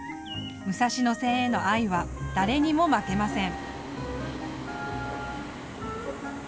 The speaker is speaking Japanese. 武蔵野線への愛は誰にも負けません。